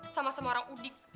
sama sama orang udik